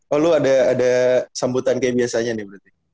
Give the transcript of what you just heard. oh lu ada sambutan kayak biasanya nih berarti